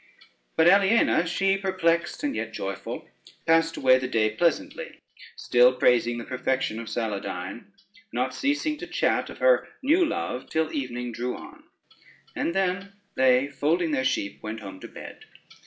But Aliena, she perplexed and yet joyful, passed away the day pleasantly, still praising the perfection of Saladyne, not ceasing to chat of her new love till evening drew on; and then they, folding their sheep, went home to bed.